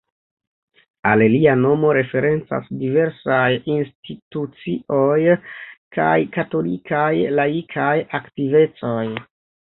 Al lia nomo referencas diversaj institucioj kaj katolikaj laikaj aktivecoj.